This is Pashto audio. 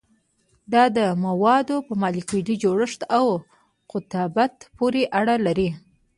دا د موادو په مالیکولي جوړښت او قطبیت پورې اړه لري